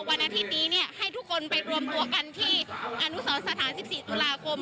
วันอาทิตย์นี้ให้ทุกคนไปรวมตัวกันที่อนุสรสถาน๑๔ตุลาคม